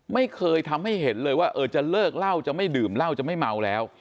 ไม่เคยทำให้เห็นเลยว่าเออจะเลิกเหล้าจะไม่ดื่มเหล้าจะไม่เมาแล้ว